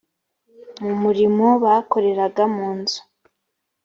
mu murimo bakoreraga mu nzu